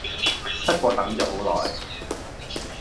不過等左好耐